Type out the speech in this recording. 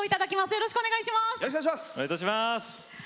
よろしくお願いします！